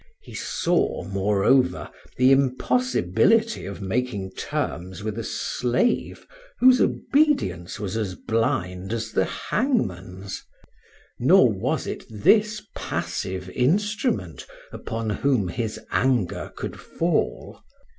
He saw, moreover, the impossibility of making terms with a slave whose obedience was as blind as the hangman's. Nor was it this passive instrument upon whom his anger could fall.